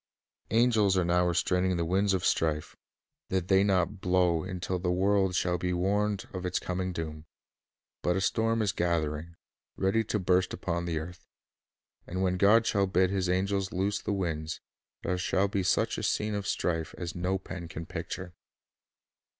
Angels arc now restraining the winds of strife, that 1 Eze. 21 : 26, 27. 2 Matt. 2t : 6, 7. i8o The Bible as an Educator they may not blow until the world shall be warned of its coming doom ; but a storm is gathering, ready to burst upon the earth; and when God shall bid His angels loose the winds, there will be such a scene of strife as no pen can picture.